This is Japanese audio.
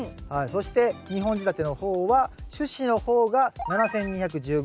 そして２本仕立ての方は主枝の方が７，２１０ｇ。